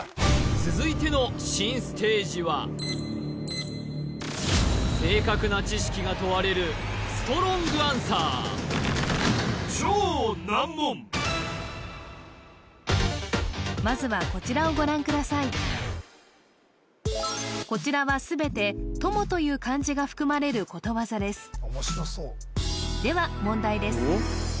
続いての新ステージは正確な知識が問われるまずはこちらは全て「友」という漢字が含まれることわざですでは問題です